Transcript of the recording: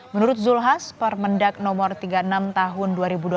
menurut zulhas permendak no tiga puluh enam tahun dua ribu dua puluh tiga